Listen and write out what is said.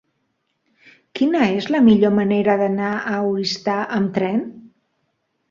Quina és la millor manera d'anar a Oristà amb tren?